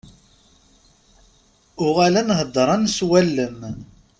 Uɣalen heddren s wallen.